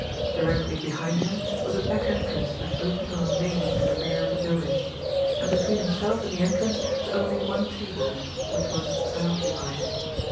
Directly behind him was a back entrance that opened on a lane at the rear of the building; and between himself and the entrance was only one table, which was unoccupied.